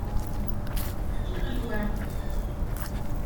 Fkiɣ lweɛd.